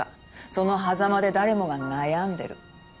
そのはざまで誰もが悩んでる。